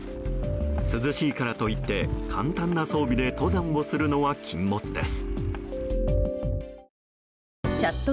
涼しいからといって簡単な装備で登山をするのは禁物です。